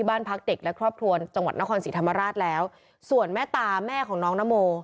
บ้านพักเด็กและครอบครัวจังหวัดนครศรีธรรมราชแล้วส่วนแม่ตาแม่ของน้องนโม